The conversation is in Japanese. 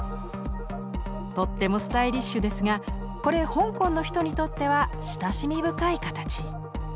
とってもスタイリッシュですがこれ香港の人にとっては親しみ深い形。